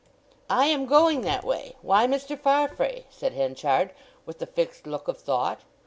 "I am going that way.... Why Mr. Farfrae?" said Henchard, with the fixed look of thought.